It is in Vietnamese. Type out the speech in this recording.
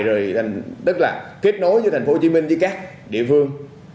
rồi tức là kết nối với thành phố hồ chí minh với các địa phương